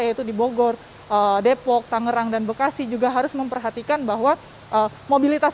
yaitu di bogor depok tangerang dan bekasi juga harus memperhatikan bahwa mobilitas